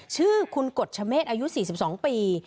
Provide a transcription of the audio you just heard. ชื่อคุณกฎชเมษอายุ๔๒ปี